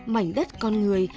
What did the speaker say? mảnh đất con người